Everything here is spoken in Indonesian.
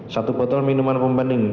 satu botol minuman pembanding